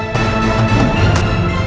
jangan lupa joko tingkir